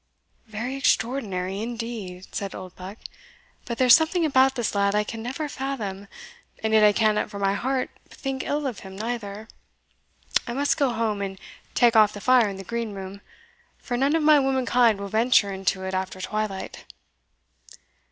"Very extraordinary indeed!" said Oldbuck; "but there's something about this lad I can never fathom; and yet I cannot for my heart think ill of him neither. I must go home and take off the fire in the Green Room, for none of my womankind will venture into it after twilight."